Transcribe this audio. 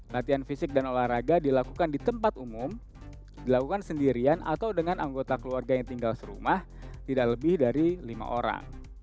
latihan fisik dan olahraga dilakukan di tempat umum dilakukan sendirian atau dengan anggota keluarga yang tinggal serumah tidak lebih dari lima orang